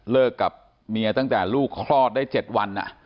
กับเมียตั้งแต่ลูกคลอดได้๗วัน